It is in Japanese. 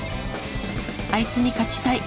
「あいつに勝ちたい」。